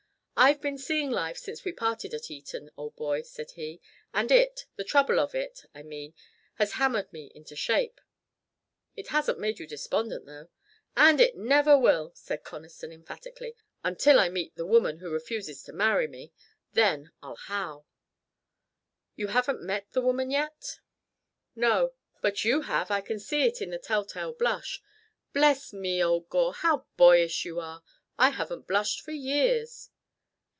"I've been seeing life since we parted at Eton, old boy," said he, "and it the trouble of it, I mean has hammered me into shape." "It hasn't made you despondent, though." "And it never will," said Conniston, emphatically, "until I meet with the woman who refuses to marry me. Then I'll howl." "You haven't met the woman yet?" "No. But you have. I can see it in the telltale blush. Bless me, old Gore, how boyish you are. I haven't blushed for years."